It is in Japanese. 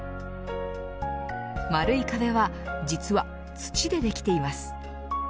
丸い壁は実は土でできています。